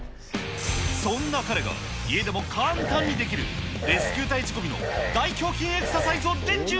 そんな彼が、家でも簡単にできるレスキュー隊仕込みの大胸筋エクササイズを伝授。